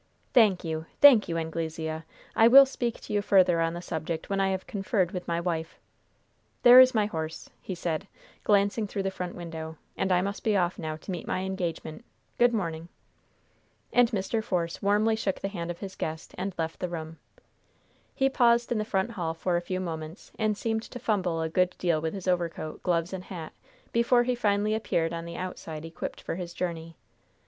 "Thank you, thank you, Anglesea! I will speak to you further on the subject when I have conferred with my wife. There is my horse," he said, glancing through the front window, "and I must be off now to meet my engagement. Good morning." And Mr. Force warmly shook the hand of his guest, and left the room. He paused in the front hall for a few moments, and seemed to fumble a good deal with his overcoat, gloves and hat before he finally appeared on the outside equipped for his journey.